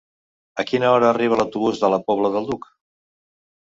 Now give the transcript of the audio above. A quina hora arriba l'autobús de la Pobla del Duc?